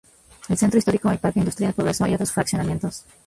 El centro Histórico, el Parque Industrial Progreso, y otros fraccionamientos.